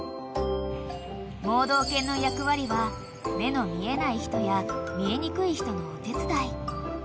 ［盲導犬の役割は目の見えない人や見えにくい人のお手伝い］